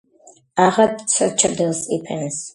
აღარც ჩრდილს იფენს.